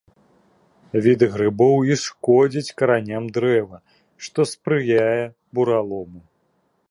Віды грыбоў і шкодзяць караням дрэва, што спрыяе буралому.